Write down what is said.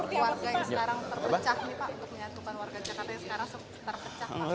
pak untuk menyatukan warga jakarta yang sekarang terpecah